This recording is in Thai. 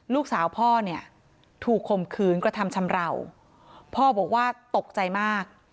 ลูกสาวพ่อเนี่ยถูกข่มขืนกระทำชำราวพ่อบอกว่าตกใจมาก